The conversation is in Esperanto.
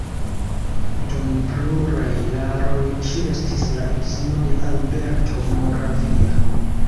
Dum pluraj jaroj ŝi estis la edzino de Alberto Moravia.